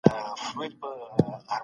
فارسي ژبه الهام وه.